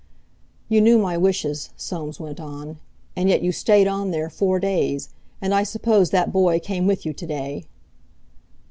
"You knew my wishes," Soames went on, "and yet you stayed on there four days. And I suppose that boy came with you to day."